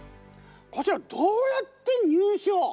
こちらどうやって入手を？